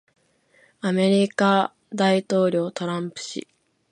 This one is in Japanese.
米大統領トランプ氏